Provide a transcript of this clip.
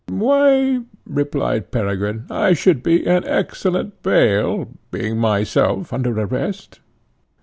"Why," replied Peregrine, "I should be an excellent bail, being myself under arrest!"